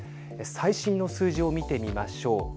最新の数字を見てみましょう。